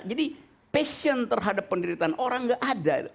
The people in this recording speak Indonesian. jadi passion terhadap pendidikan orang nggak ada